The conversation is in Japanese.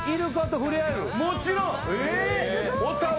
もちろん！